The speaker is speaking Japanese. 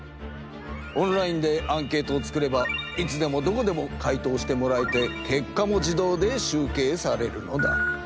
オンラインでアンケートを作ればいつでもどこでも回答してもらえてけっかも自動で集計されるのだ。